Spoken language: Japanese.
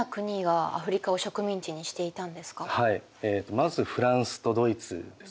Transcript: まずフランスとドイツですね。